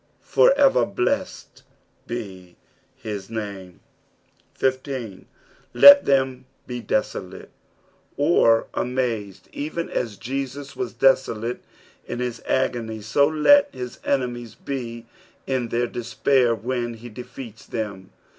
For ever blessed be his name. 15. "Let them be denlate,''' at amazed; even as Jesus was desolate in his agony, so let his enemies be in their despair when lie defeats them.